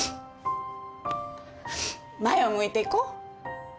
前を向いていこう。